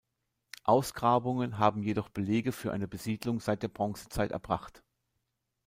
Ausgrabungen haben jedoch Belege für eine Besiedlung seit der Bronzezeit erbracht.